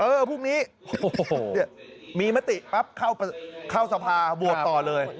เออพรุ่งนี้โอ้โหเนี่ยมีมติปั๊บเข้าสภาโหวตต่อเลย